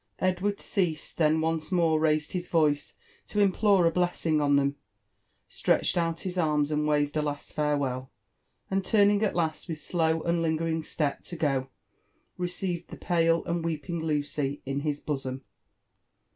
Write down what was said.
Edv^&rd ceased — then once more raised his voice to implore a bless ing on theilfi, stretched out his arms and waved a last farewell, and turning at last with slow and lingering step to go, received the pale and weeping Lucy in his bosOm.